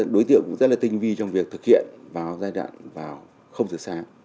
đối tiệu cũng rất là tinh vi trong việc thực hiện vào giai đoạn không thực sáng